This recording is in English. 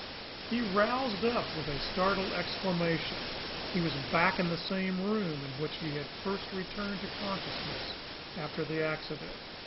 He roused up with a startled exclamation. He was back in the same room in which he had first returned to consciousness after the accident.